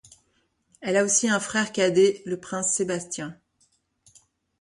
Elle a aussi un frère cadet, le prince Sébastien.